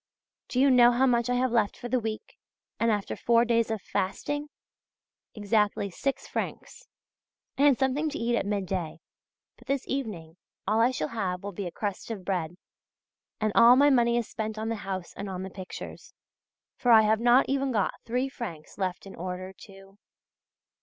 Do you know how much I have left for the week, and after four days of fasting? Exactly six francs. I had something to eat at midday; but this evening all I shall have will be a crust of bread. And all my money is spent on the house and on the pictures. For I have not even got three francs left in order to....